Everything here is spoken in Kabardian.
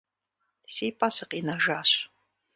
Си пӀэ сыкъинэжащ.